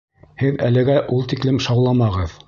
Һеҙ әлегә ул тиклем шауламағыҙ.